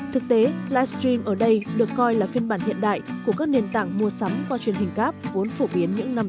thực tế livestream ở đây được coi là phiên bản hiện đại của các nền tảng mua sắm qua truyền hình cáp vốn phổ biến những năm tám mươi